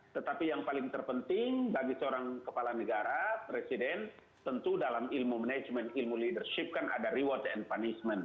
tetapi yang paling terpenting bagi seorang kepala negara presiden tentu dalam ilmu manajemen ilmu leadership kan ada reward and punishment